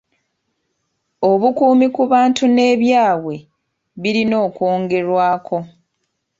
Obukuumi ku bantu n'ebyabwe birina okwongerwako.